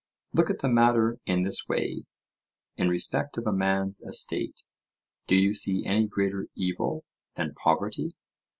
Look at the matter in this way:—In respect of a man's estate, do you see any greater evil than poverty?